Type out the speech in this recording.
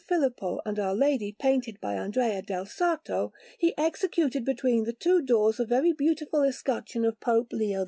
Filippo and of Our Lady painted by Andrea del Sarto, he executed between the two doors a very beautiful escutcheon of Pope Leo X.